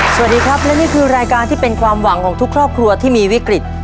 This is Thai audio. สวัสดีครับและนี่คือรายการที่เป็นความหวังของทุกครอบครัวที่มีวิกฤต